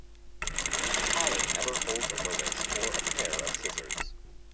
Kali never holds a lotus or a pair of scissors.